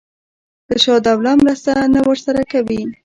که شجاع الدوله مرسته نه ورسره کوي.